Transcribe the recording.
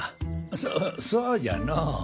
そそうじゃのォ。